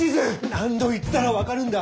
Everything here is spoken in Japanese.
何度言ったら分かるんだ！